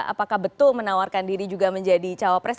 apakah betul menawarkan diri juga menjadi cawapres